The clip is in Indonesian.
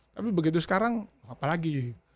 tapi begitu sekarang apa lagi